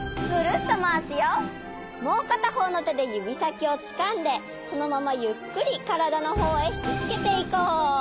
もうかたほうのてでゆびさきをつかんでそのままゆっくりからだのほうへひきつけていこう。